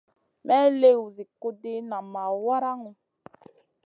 May liw zi kuɗ ɗi, nam ma waraŋu.